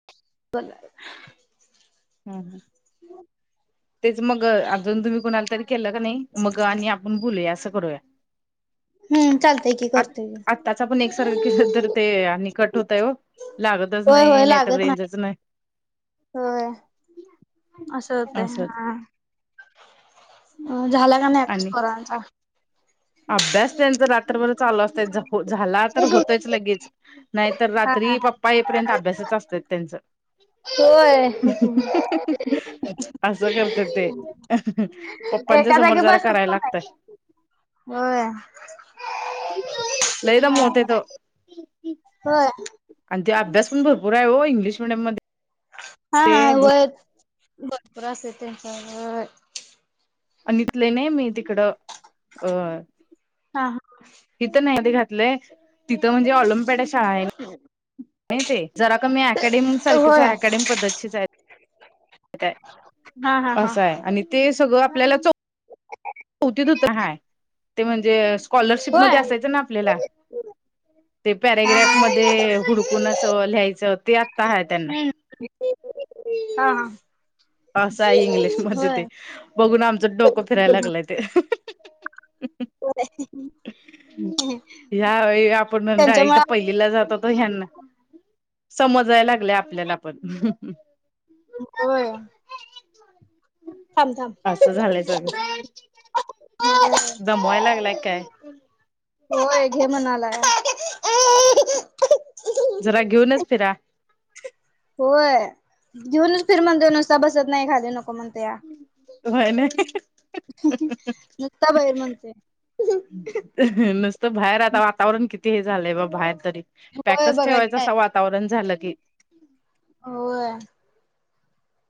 [unintelligible] [unintelligible] तेच मग अजून तुम्ही कुणाला तरी केलं का नाही, मग आणि आपण बोलूया असं करूया. हम्म चालतय कि. आत-आताचा पण एक सारखं केलं तर ते आणि कट होतय हो. लागतच होय होय नाही, नाहीतर लागत रेंजच नाही. होय, असं होतंय असंच हा. अं, झाला का? नाही अभ्यास आणि पोरांचा. अभ्यास त्यांचा रात्रभर चालू असतो. झाला तर होतयंच लगेच. नाहीत तर, हा हा रात्री हा पप्पा येईपर्यंत अभ्यासाचं असतात त्यांचं. होय [unintelligible] असं करतात ते. [unintelligible] पप्पांच्या एका समोर जागी जरा बसत कराया पण नाही लागतंय. होय. [unintelligible] लय दमवतोय तो. [unintelligible] होय आणि ते अभ्यास पण भरपूर आहे हो इंग्लिश मिडियम मध्ये. हा हा ते व्हयं. भरपूर असतंय त्यांचा आणि इथले नाही, मी तिकडं अ हा हा. तिथं नाही आधी घातलंय. तिथं म्हणजे ऑलिमपेड ला शाळा आहे. नाही ते, जरा कमी अकॅडमी सारखीच होय आहे. ॲकॅडम पद्धतीची आहे. [unintelligible] हा हा होय हा हा हा असं आहे. आणि ते सगळं आपल्याला चो चौथी पुरतं ते हाय, ते म्हणजे स्कॉलरशिप मध्ये होय असायचं ना आपल्याला ते हा पॅरेग्राफ हा हा मध्ये हुडकुन असं लिहायचं. ते आत्ता आहे त्यांना. हम्म [inaudible] हा. असं आहे इंग्लिश मध्ये होय ते, बघून आमचं डोकं फिरायला लागलंय ते. [inaudible] यावेळी आपण डायरेक्ट त्यांच्यामुळे पहिली पहिलीला जात होता, ह्यांना समजायला लागलं आपल्याला पण. होय. थांब थांब. असं झालंय सगळं. [inaudible] दमवाय लागलाय काय होय घे म्हणालाय, आंऽऽऽ... जरा घेऊनच फिरा. होय घेऊनच फिर म्हणतोय नुसता, बसत नाही खाली नको म्हणतो. व्हयं ना. हम् हम् नुसता बाहेर म्हणतोय. नुसतं बाहेर आता वातावरण किती हे झालंय बघ, बाहेर तरी होय पॅकच बघा की ठेवायचं काय असं वातावरण झालं की. होय,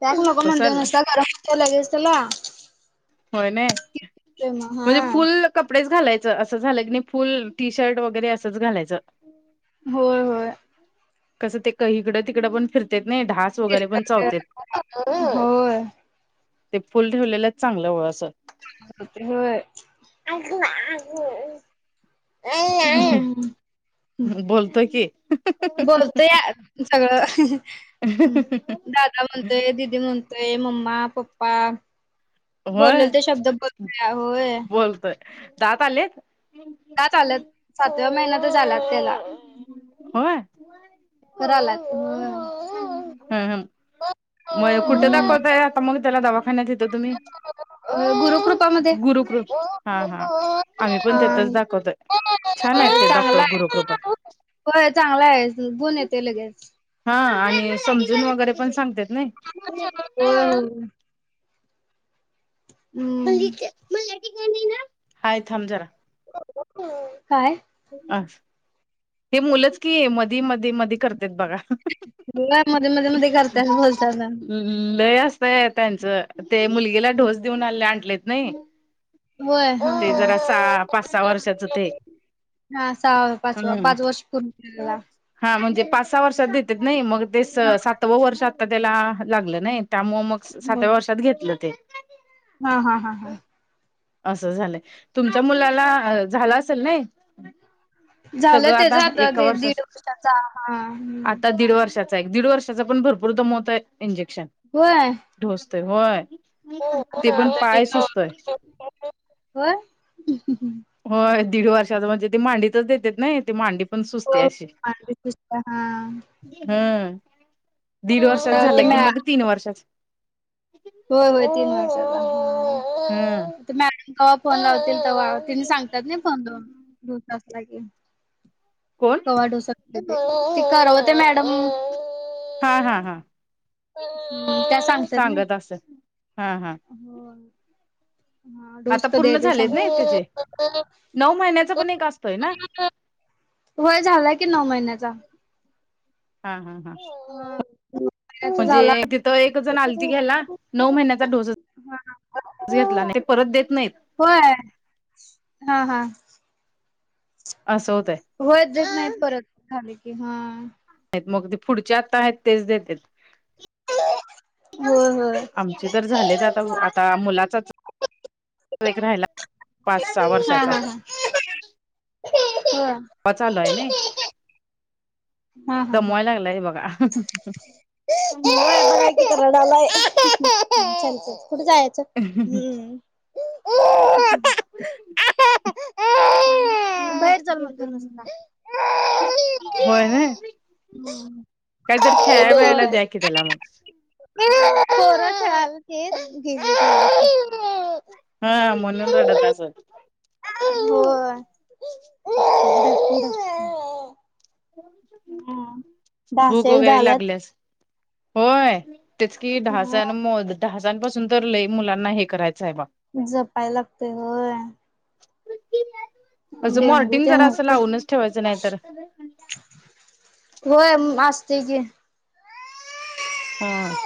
पॅक नको म्हणतंय ते कसल नुसता गरम होतंय लगेच त्याला. होय ने, म्हणजे हा फुल. कपडेच घालायचं असं झालं कीणी फुल, टी शर्ट वगैरे असंच घालायचं. होय होय. कसं ते इकडं, तिकडं पण फिर तेच नाई ढास वैगेरे पण चावत्यात. होय ते फुल ठेवलेलच चांगलं ओ असं. होय. आजमा, आज. हम्, बोलतोय की. बोलतोया सगळं. दादा म्हणतोय, दीदी म्हणतोय, मम्मा, पप्पा. होय बोललं ते शब्द बोलतोया होय. बोलतोय दात आलेत. दात आल्यात सातव्या महिन्यांतच आल्यात त्याला. होय लवकर आल्यात होय म कुठं दाखवताय आता मग त्याला दवाखान्यात इथ तुम्ही? गुरुकृपामध्ये गुरुकृप, हा हा आम्ही पण तिथंच दाखवतोय. छान आहेत ते डॉक होय चांगला आहे गुण येतोय लगेच. हा आणि समजून वगैरे पण सांगत्यात नई. होय हम्म हाय थांब जरा. काय? आ ही मुलंच की मध धी मधी मधी करत्यात बघा. होय मध्ये मध्ये मध्ये करतात बोलताना लय असतया त्यांचं, ते मुलगीला ढोस देऊन आले आणलेत नई. व्हय. ते जरा सहा पाच -सहा वर्षाचं ते हा सहा पाचव हम्म पाच वर्ष पूर्ण होतील बघा. हा म्हणजे पाच -सहा वर्षात देतेत नई मग, ते सातवं वर्ष आता त्याला लागलं नई. त्यामुळं मग सातव्या वर्षात घेतलं ते. हा हा हा हा झालंय तुमच्या मुलाला झालं असेल नई. झालं सगळं त्याच आता एका ते दीड वर्षाच वर्षाचा हा आता दीड वर्षात एक- दीड वर्षाचा पण भरपूर दामोवतय इंजेक्शन. होय ढोस ते होय, ते हा पण पाय आता सुजतोय. होय होय दीड वर्षाच म्हणजे ते मांडीतच देत्यात नई ते मांडी पण सुजत्याशी हा हं दीड वर्षात आता ते झालं की, मॅ मग तीन वर्षाच होय होय तीन वर्षाचा ह ओ मॅडम कवा फोन लावतील तवा तिनी सांगतात नई फोन लावून दोन तास लागेल. कोण कवा डोस असत्याती ती, कळवते मॅडम. हा हा हा हू त्यात सांगत असल हा हा. होय हा ढोस आता कधी पूर्ण आहे ते झालेत ना त्याचे सांगतात हो नऊ महिन्याचा पण एक असतोय ना हो [inaudible] होय झालाय की नऊ महिन्याचा. हा हा हा. त्याच झाला म्हणजे तिथं एक जण आलती घ्यायला, नऊ महिन्याचा ढोस घेतला नाही ते परत देत नाहीत. होय. हा हा. अस होतय. होय देत नाहीत परत झाले की हां. आहेत मग ते पुढचे आत्ता आहेत तेच देतेत. हो होय. आमचे तर झालेच आता [unintelligible] आता मुलाचाच एक राहिला पाच सहा वर्षाचा. ह [inaudible] पाचवा चालूये नई, हा हा हा दमवाय लागलाय हे बघा. [unintelligible] कुठे जायचं, हम्म बाहेर चल म्हणतोय नुसता [unintelligible] होय व्हय? [unintelligible] काहीतरी खेळाय होय बिळायला द्या की त्याला मग. पोरं खेळातील ती गेली. हा म्हणून रडतं असंल. हो. [unintelligible] [inaudible] हम्म. डास भूक एक वगैरे झाल्यात. लागली असेल होय. तेच की हम्म. ढासांन ‌मद, ढासांपासून तर लई मुलांना हे करायचं आहे बघ. जपायला लागतंय होय. असं डेंगू मॉर्टिन तेन जरा असं होतंय. लावूनच ठेवायचं नाही तर होय, मासतेय की. हां.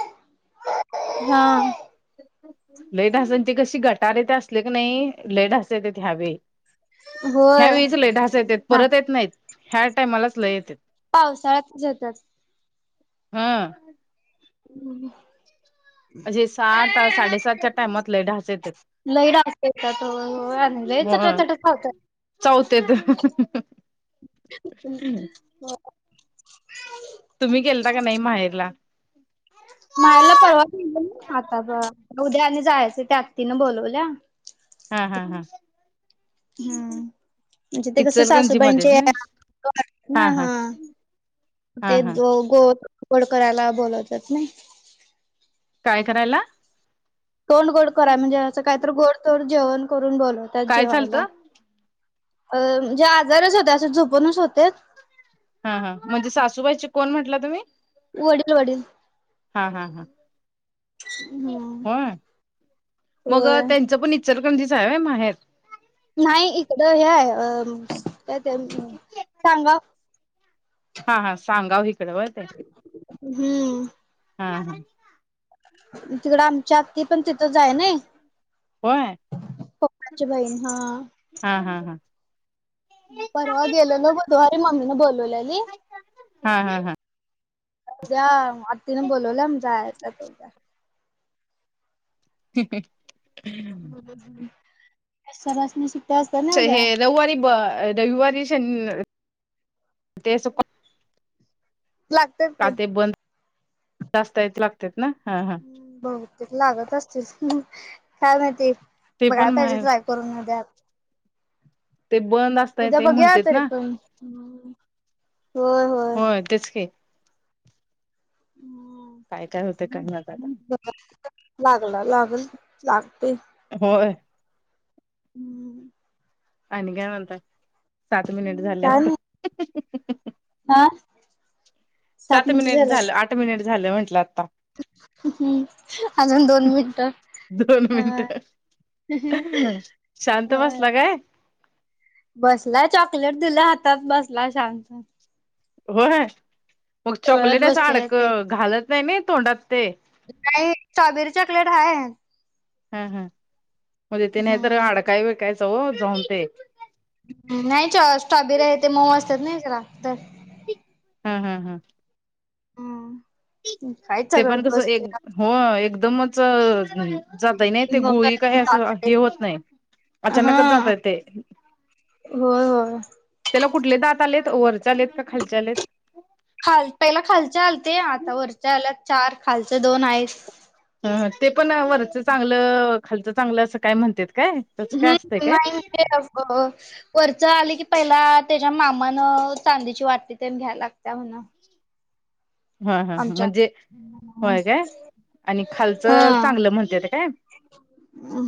हां लई ढास अं तं कशी ते कशी, गटारण ते असले की नाही लई ढास येतेती यावेळी.. ह्या होय. वेळीच लय ढासं येतेती, हा परत येत नाहीत. ह्या टाइमालाच लय येतेत पावसाळ्यातच येतात. हं. [unintelligible] म्हणजे सात साडेसातच्या टाइमात लय ढास येत्यात. लई ढास येतात हो, होय आणि लय चटा चटा चावत्यात. चावत्यात [unintelligible] तुम्ही गेलता का नाही माहेरला? माहेरला परवा गेली ना. आता ब उद्या आणि जायचं त्या आत्तींन बोलवल्या. हा हा हा. हम म्हणजे ते कसं इचलकरंजी मध्येच सासूबाईंचे ना [inaudible] हा हा हं. ते हा हा गो गोड करायला बोलवत्यात नही. काय करायला? तोंड गोड करायं, म्हणजे असं काही तर गोड धोड जेवण करून बोलवत्यात काय चालतं जेवायला. अ म्हणजे आजारच होते, असं झोपूनच होते. हं हं म्हणजे सासूबाईची कोण म्हटला तुम्ही? वडील वडील. हा हा हा. हम्म. होय. मग होय त्यांचं पण इचलकरंजीच आहे व्हय माहेर. नाही इकडं हे हाय काय ते सानगाव. हा हा सांगाव इकडं व्हय ते हम्म हा हा. थोडं आमची आत्ती पण तिथंच आहे नानही. होय पपांची बहीण हा. हा, हा, हां परवा गेलेलो बुधवारी मम्मीन बोलवल्याली. हा हा हा त्या आत्तीन बोलवल्या मग जायचं हाय. [unintelligible] सरासनी शिक ते रवूवारी ब रविवारी शन ते असं लागतात का की ते बंद, जास्त हायेत लागत्यात ना? हा हा बहुतेक लागत असतील, काय माहीती ते बघाय पण माहेर पाहिजे [unintelligible] करून उद्या, ते बंद असताय उद्या ते बघूया म्हणतेत तरी ना पण होय तेच कि हम्म काय काय होतय [unintelligible] लागला, लागल, लागतोय. होय हम्म आणि काय म्हणताय? सात मिनिट झाले आता हां सात मिनिट झालं, आठ मिनिट झालं म्हटलं आता. अजून दोन मिनटं दोन अ मिनिटं शांत होय. बसला काय बसलाय चॉकलेट दिलं हातात, बसलाय शांत. होय मग सगळत चॉकलेट असं बसते अडकत घालत नाही नी तोंडात ते. नाही, स्ट्रॉबेरी चॉकलेट हाय हम, हम म ते नाहीतर हम्म अडकाय बिडकायच हो जाऊन ते. नाहीच स्ट्रॉबेरी आहे ते मऊ असत्यात नयी जरासं हा, हा, हा काय ते पण सगळत कसं एक, बसते हो एकदमच नाही जातय नयी ते गुळी काय असं हे होत नाही हा अचानकच जातय ते होय, होय त्याला कुठले दात आलेत, वरचे आलेत का खालचे आलेत? खाल, पहिला खालचे आलते, आता वरचे आल्यात चार खालचे दोन आहेत. अ ते पण वरचं चांगलं, खालचं चांगलं असं काय म्हणत्यात काय? तसं काय असतंय हम्म काय नाही म्हणजे अगं वरच आली की पहिला त्येच्या मामानं चांदीची वाटी तेन घ्याय लागत्या म्हण. हा, हा म्हणजे होय काय आणि खालचं हा चांगलं म्हणतेेत काय?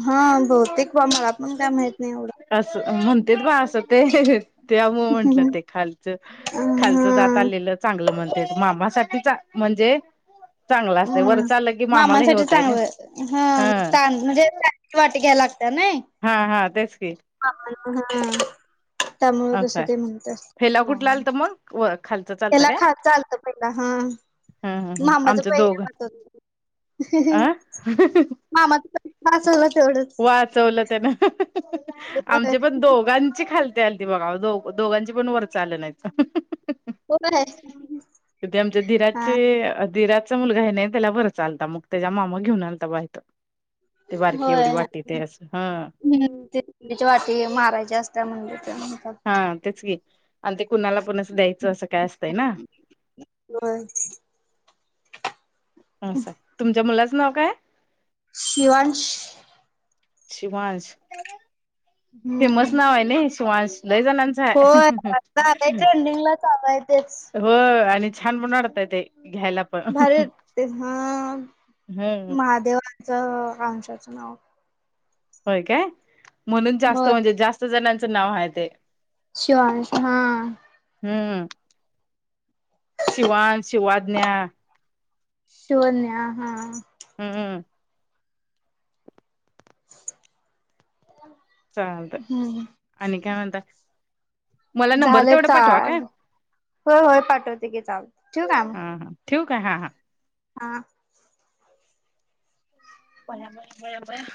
हा बहुतेक बा मला पण काय माहित नाही एवढं अस, म्हणतेेत बा असं ते त्यामुळं म्हंटलं ह ते खालचं, खालचं दात हा आलेलं चांगलं म्हणत्यात, मामासाठी चा म्हणजे चांगलं असतंय हम्म, वरच आलं की मामाला हे मामांसाठी होतंय ना चांगलं हा म्हणजे वाटी घ्याय लागतीया नय हा हा तेच की त्यामुळ असं तसं आहे ते म्हणत फेला असतं कुठला आलता मग व खालचं चा त्याला खात चालत पहिला हा, हं हं हं मामाचं पैत होत. आ. मामा च मग असलं ना तेवढंच. वाचवलं त्यान, होय आमचे पण दोघां ची खालती आलती बघा. दो दोघांची पण वरच आलं नाहीत. होय ते आमच्या हा धीराचे धीरात चा मुलगा आहे नाही. त्याला भुराचा चालता, मग त्याच्या मामा घेऊन आलता बा इथ. होय. हा हम्म, चटणीची वाटी मारायची असत्या म्हणलीत. हा तेच की, आणि ते कुणाला पण असं द्यायचं असं काय असतंय ना. होय. आस, तुमच्या मुलाचं नाव काय? शिवांश. शिवांश. फेमस हम्म नाव आहे नाही शिवांश. लई जणांच. होय, आता आलंय ट्रेंडिंगला चालू आहे तेच. होय, आणि छान पण वाटतय ते घ्यायला. पण भारी वाटतं, हा हम्म महादेवाचं कांशाचं नाव. होय काय, म्हणून जास्त, होय म्हणजे जास्त जणांचं नाव आहे ते. शिवांश हा. हम्म, शिवांश, शिवाज्ञा. शिवांन्य हा. हम्म. [inaudible] चालतंय हम्म आणि काय म्हणताय. झाले चाल, होय-होय पाठवते गी चाल. ठेऊ काय मग. ठेऊ काय? हा-हा. हा. बया-बया-बया-बया-बया.